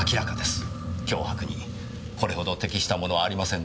脅迫にこれほど適したものはありませんねぇ。